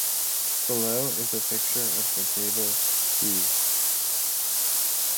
Below is a picture of the table "P".